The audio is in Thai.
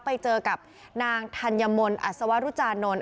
ไปเจอกับนางธัญมนต์อัศวรุจานนท์